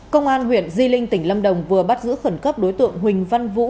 công an huyện di linh tỉnh lâm đồng vừa bắt giữ khẩn cấp đối tượng huỳnh văn vũ